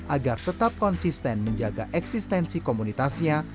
agar tetap konsisten menjaga eksistensi komunitasnya